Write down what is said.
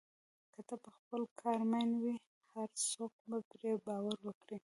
که ته په خپل کار مین وې، هر څوک به پرې باور وکړي.